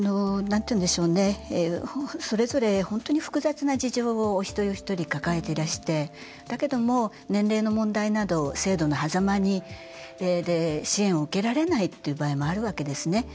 それぞれ本当に複雑な事情をお一人お一人、抱えてらしてだけども、年齢の問題など制度のはざまで支援を受けられないという場合もあるわけですね。